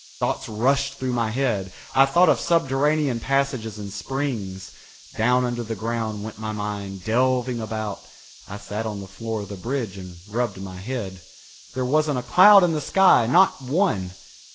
Thoughts rushed through my head. I thought of subterranean passages and springs. Down under the ground went my mind, delving about. I sat on the floor of the bridge and rubbed my head. There wasn't a cloud in the sky, not one.